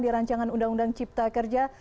di rancangan undang undang cipta kerja